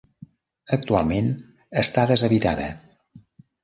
Actualment està deshabitada.